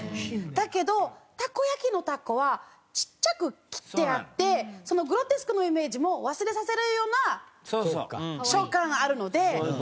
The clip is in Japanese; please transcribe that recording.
だけどたこ焼きのタコはちっちゃく切ってあってそのグロテスクのイメージも忘れさせるような食感あるので。